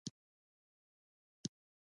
دا بڼ د نړۍ له ويجاړۍ وروسته روغ پاتې دی.